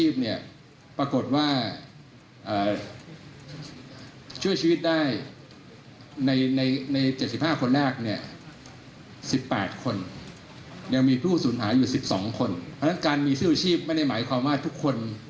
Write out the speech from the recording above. เพราะฉะนั้นการมีเสื้อชีพไม่ได้หมายความว่าทุกคน